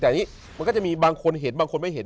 แต่อันนี้มันก็จะมีบางคนเห็นบางคนไม่เห็น